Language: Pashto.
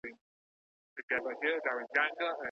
که مفکوره ونه لیکل سي نو هیڅکله نه عملي کیږي.